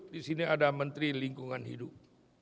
di sini ada menteri lingkungan hidup